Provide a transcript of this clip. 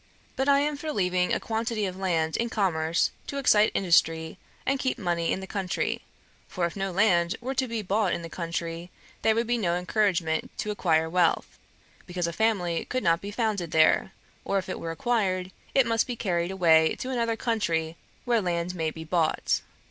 But I am for leaving a quantity of land in commerce, to excite industry, and keep money in the country; for if no land were to be bought in the country, there would be no encouragement to acquire wealth, because a family could not be founded there; or if it were acquired, it must be carried away to another country where land may be bought.